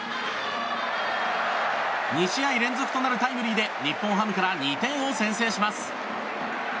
２試合連続となるタイムリーで日本ハムから２点を先制します。